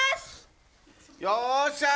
よっしゃ！